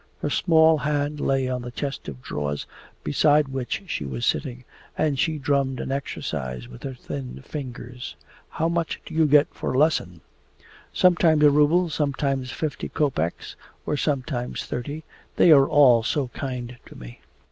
Her small hand lay on the chest of drawers beside which she was sitting, and she drummed an exercise with her thin fingers. 'How much do you get for a lesson?' 'Sometimes a ruble, sometimes fifty kopeks, or sometimes thirty. They are all so kind to me.